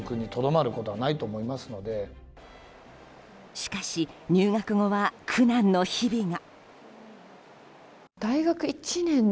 しかし、入学後は苦難の日々が。